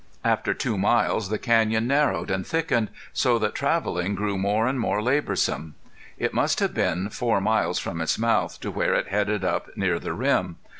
After two miles the canyon narrowed and thickened, so that traveling grew more and more laborsome. It must have been four miles from its mouth to where it headed up near the rim.